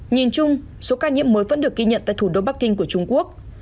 nhìn chung số ca nhiễm mới vẫn được ghi nhận tại thủ đô bắc kinh của trung quốc